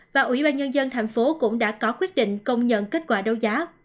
và ủy ban nhân dân thành phố cũng đã có quyết định công nhận kết quả đấu giá